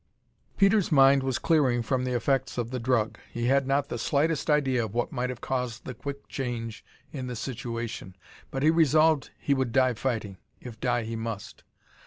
Peter's mind was clearing from the effects of the drug. He had not the slightest idea of what might have caused the quick change in the situation but he resolved he would die fighting, if die he must.